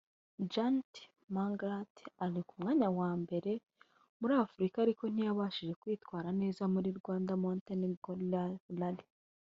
Jas Mangat ari ku mwanya wa mbere muri Afurika ariko ntiyabashije kwitwara neza muri Rwanda Mountain Gorilla Rally